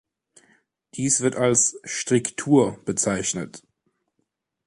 Dies wird als „Striktur“ bezeichnet.